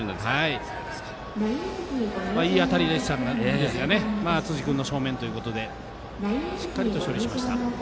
いい当たりでしたが辻君の正面ということでしっかりと処理しました。